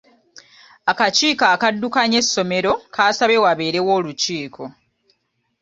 Akakiiko akaddukanya essomero kaasabye wabeerewo olukiiko.